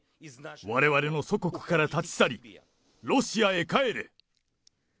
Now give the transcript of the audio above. われわれの祖国から立ち去り、ロシアへ帰れ。